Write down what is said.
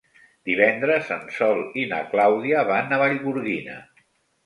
Divendres en Sol i na Clàudia van a Vallgorguina.